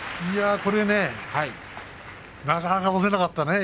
これねなかなか押せなかったね。